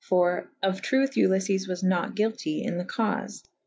For of truthe Uliffes was nat gylty in the caufe.